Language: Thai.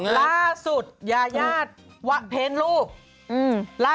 คุณพ่อค่ะคุณพ่อค่ะคุณพ่อค่ะ